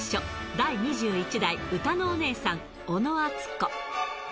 第２１代うたのおねえさん、小野あつこ。